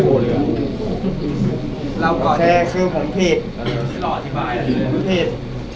โอเคคือผมผิดผมผิด